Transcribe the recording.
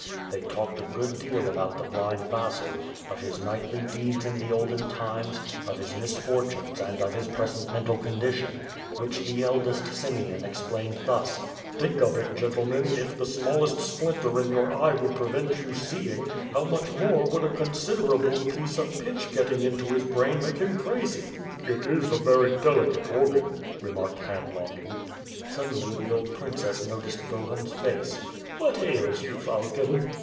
They talked a good deal about the blind Vasil; of his knightly deeds in the olden time; of his misfortunes and of his present mental condition, which the eldest Simeon explained thus: "Think of it, gentlemen, if the smallest splinter in your eye would prevent you seeing, how much more would a con siderable piece of pitch getting into his brain make him crazy." "It is a very delicate organ," remarked Pan Longin. Suddenly the old princess noticed Bohun's face. "What ails you, falcon?"